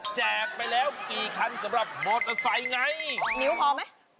แจกไปแล้วกี่คันสำหรับมอเตอร์ไซค์ไงนิ้วพอไหม